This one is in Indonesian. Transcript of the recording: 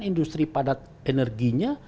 industri padat energinya